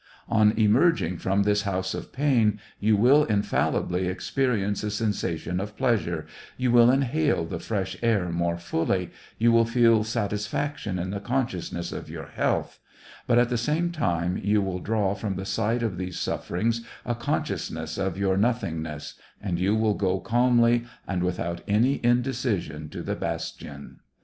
On emerging from this house of pain, you will infallibly experience a sensation of pleasure, you will inhale the fresh air more fully, you will feel satisfaction in the consciousness of your health, but, at the same time, you will draw from the sight of these sufferings a consciousness of your nothingness, and you will go calmly and without any indecision to the bastion.